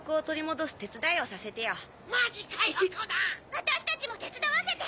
私たちも手伝わせて！